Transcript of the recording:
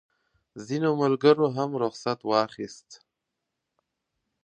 ځینو ملګرو هم رخصت واخیست.